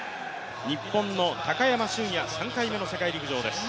日本の高山峻野、３回目の世界陸上です。